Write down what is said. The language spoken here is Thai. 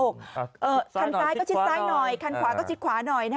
คันซ้ายก็ชิดซ้ายหน่อยคันขวาก็ชิดขวาหน่อย